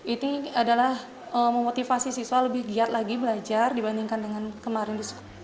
ini adalah memotivasi siswa lebih giat lagi belajar dibandingkan dengan kemarin